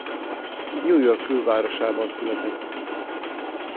New York külvárosában született.